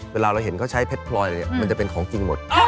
เวลาเราเห็นก็ใช้เพชรปลอยอย่างนี้มันจะเป็นของจริงหมด